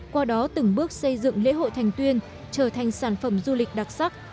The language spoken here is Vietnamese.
qua đó từng bước xây dựng lễ hội thành tuyên trở thành sản phẩm du lịch đặc sắc